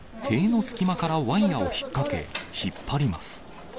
塀の隙間からワイヤを引っ掛け、引っ張ります。